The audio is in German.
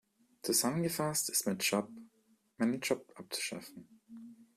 Zusammengefasst ist mein Job, meinen Job abzuschaffen.